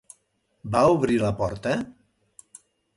Va obrir la porta?